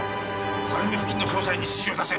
晴海付近の捜査員に指示を出せ。